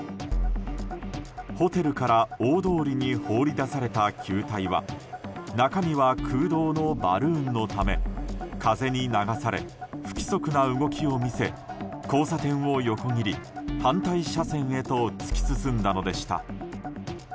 ホテルから大通りに放り出された球体は中身は空洞のバルーンのため風に流され不規則な動きを見せ交差点を横切り、反対車線へと突き進んだのでした。